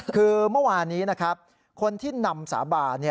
คือเมื่อวานนี้นะครับคนที่นำสาบาน